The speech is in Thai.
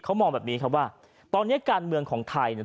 เขามองแบบนี้ครับว่าตอนนี้การเมืองของไทยเนี่ย